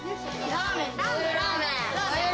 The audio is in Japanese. ラーメン。